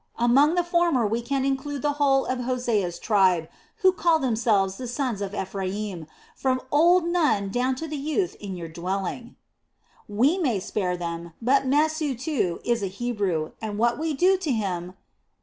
Among the former we can include the whole of Hosea's tribe, who call themselves the sons of Ephraim, from old Nun down to the youth in your dwelling." "We may spare them; but Mesu, too, is a Hebrew, and what we do to him...."